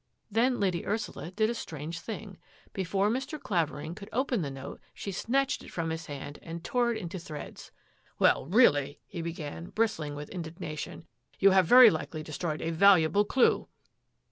" Then Lady Ursula did a strange thing. Be fore Mr. Clavering could open the note, she snatched it from his hand and tore it into shreds. " Well, really," he began, bristling with indigna tion, " you have very likely destroyed a valuable clue."